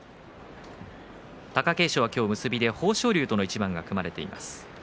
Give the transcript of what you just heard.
貴景勝は今日、結びで豊昇龍との一番が組まれています。